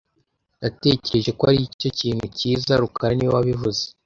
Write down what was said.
Natekereje ko aricyo kintu cyiza rukara niwe wabivuze